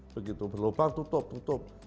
begitu berlubang tutup tutup